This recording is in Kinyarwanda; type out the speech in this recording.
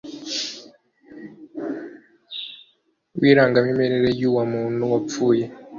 w irangamimerere yuwa umuntu wapfuye